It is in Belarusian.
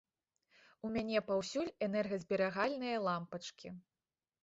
У мяне паўсюль энергазберагальныя лямпачкі.